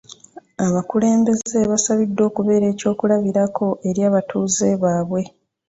Abakulumbeze basabiddwa okubeera eky'okulabirako eri abatuuze baabwe.